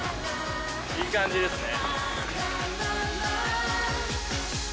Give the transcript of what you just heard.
いい感じですね。